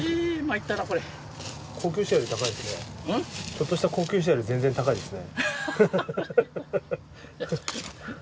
ちょっとした高級車より全然高いですね。